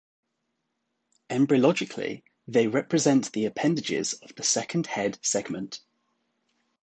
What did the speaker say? Embryologically, they represent the appendages of the second head segment.